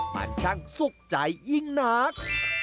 มันช่างสุขใจยิ่งนัก